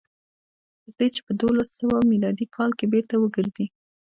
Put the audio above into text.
تر دې چې په دولس سوه میلادي کال کې بېرته وګرځي.